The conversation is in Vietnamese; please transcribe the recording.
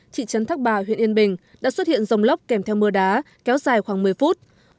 thị trấn thác bà huyện yên bình đã xuất hiện rông lốc kèm theo mưa đá kéo dài khoảng một mươi phút